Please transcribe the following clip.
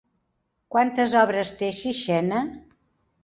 Quantes obres té Sixena?